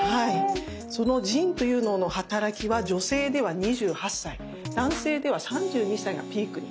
その腎というのの働きは女性では２８歳男性では３２歳がピークに。